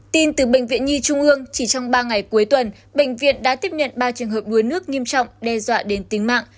tin từ bệnh viện nhi trung ương chỉ trong ba ngày cuối tuần bệnh viện đã tiếp nhận ba trường hợp đuối nước nghiêm trọng đe dọa đến tính mạng